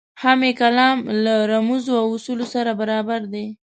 هم یې کالم له رموزو او اصولو سره برابر دی.